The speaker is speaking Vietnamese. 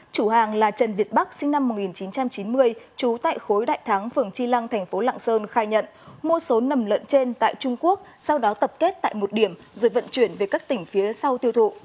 chủ hàng là trần việt bắc sinh năm một nghìn chín trăm chín mươi trú tại khối đại thắng phường chi lăng thành phố lạng sơn khai nhận mua số nầm lợn trên tại trung quốc sau đó tập kết tại một điểm rồi vận chuyển về các tỉnh phía sau tiêu thụ